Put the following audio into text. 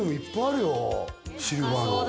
シルバーの。